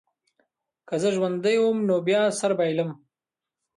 که زه ژوندی وم نو یا سر بایلم.